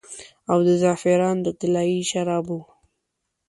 او د زعفران د طلايي شرابو